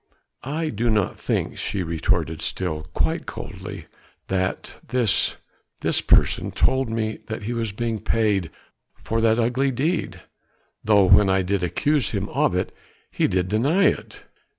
"I do not think," she retorted still quite coldly, "that this ... this ... person told me that he was being paid for that ugly deed: though when I did accuse him of it he did not deny it."